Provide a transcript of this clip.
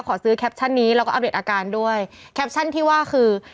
ขอซื้อนิและก็ด้วยที่ว่าคือ